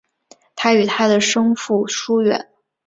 他与他的生父疏远。